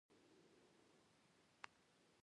د هغه نوم مورټیمر مابرلي و او ستاسو پیرودونکی و